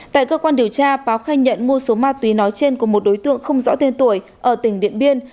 tại cơ quan điều tra báo khai nhận mua số ma túy nói trên của một đối tượng không rõ tên tuổi ở tỉnh điện biên